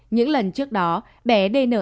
những lần trước đó bé đê nở